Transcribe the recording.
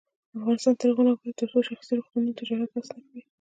افغانستان تر هغو نه ابادیږي، ترڅو شخصي روغتونونه تجارت بس نکړي.